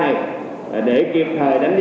để kịp thời đánh giá để kịp thời chấn chỉnh